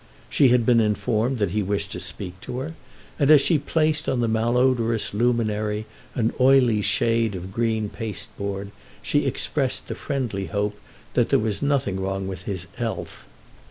She had been informed that he wished to speak to her, and as she placed on the malodorous luminary an oily shade of green pasteboard she expressed the friendly hope that there was nothing wrong with his 'ealth.